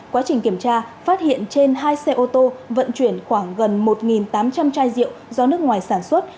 quá trình kiểm tra phát hiện trên hai xe ô tô vận chuyển khoảng gần một tám trăm linh chai rượu do nước ngoài sản xuất